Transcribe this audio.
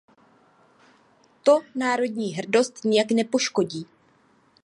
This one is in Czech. To národní hrdost nijak nepoškodí.